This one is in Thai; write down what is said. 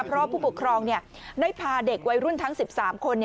เพราะว่าผู้ปกครองได้พาเด็กวัยรุ่นทั้ง๑๓คน